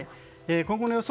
今後の予想